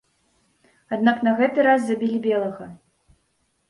Аднак на гэты раз забілі белага.